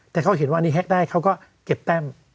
แต่เขาเห็นวันนี้แฮ็กได้เขาก็เก็บแต้ม